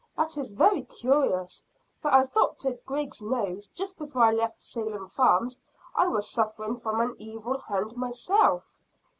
That is very curious. For as Dr. Griggs knows, just before I left Salem Farms, I was suffering from 'an evil hand' myself."